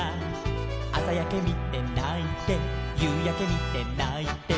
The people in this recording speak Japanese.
「あさやけみてないてゆうやけみてないて」